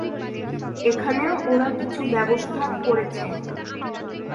এখানেও ওরা কিছু ব্যবস্থা করছে।